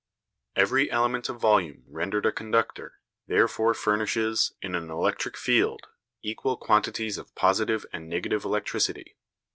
Every element of volume rendered a conductor therefore furnishes, in an electric field, equal quantities of positive and negative electricity.